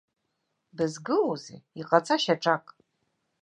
Бызгылоузеи, иҟаҵа шьаҿак.